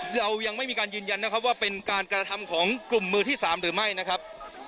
เรายังไม่มีการยืนยันนะครับว่าเป็นการกระทำของกลุ่มมือที่๓หรือไม่นะครับ